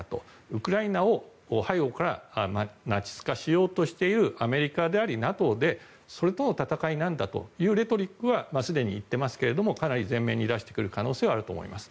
ウクライナを背後からナチス化しようとしているアメリカでありＮＡＴＯでそれとの戦いなんだというレトリックはすでに言っていますがかなり前面に出してくる可能性はあります。